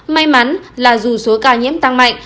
may mắn là dù số ca nhiễm tăng mạnh